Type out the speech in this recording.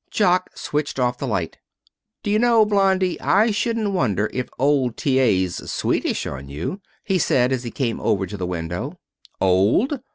Jock switched off the light. "D' you know, Blonde, I shouldn't wonder if old T. A.'s sweetish on you," he said as he came over to the window. "Old!"